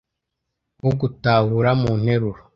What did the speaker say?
wo gutahura mu nteruro